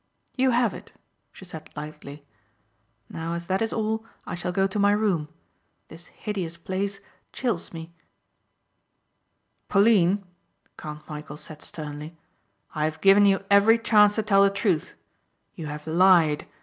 "You have it," she said lightly. "Now as that is all I shall go to my room. This hideous place chills me." "Pauline," Count Michæl said sternly, "I have given you every chance to tell the truth. You have lied.